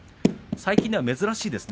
最近では珍しいですね